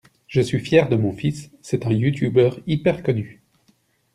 Je suis fier de mon fils, c'est un youtuber hyper connu.